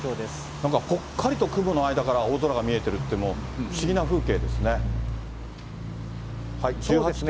なんか、ぽっかりと雲の間から青空が見えてるというのも、不思議な風景ですね。